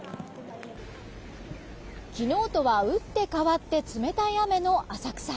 昨日とは打って変わって冷たい雨の浅草。